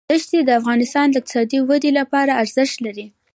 دښتې د افغانستان د اقتصادي ودې لپاره ارزښت لري.